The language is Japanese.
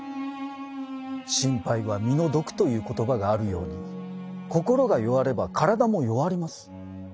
「心配は身の毒」という言葉があるように心が弱れば体も弱ります。